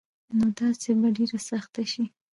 نو داسي به ډيره سخته شي